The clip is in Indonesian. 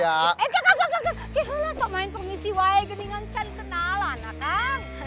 eh kakak kakak kakak kihulah sok main permisi wae gedingan can kenalan akang